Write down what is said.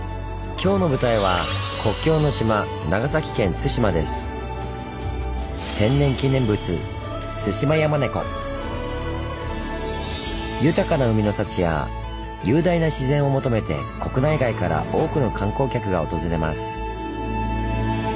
今日の舞台は天然記念物豊かな海の幸や雄大な自然を求めて国内外から多くの観光客が訪れます。